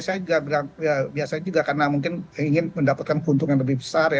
saya juga bilang ya biasanya juga karena mungkin ingin mendapatkan keuntungan lebih besar ya